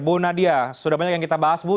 bu nadia sudah banyak yang kita bahas bu